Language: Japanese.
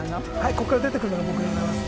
ここから出てくるのが僕になります。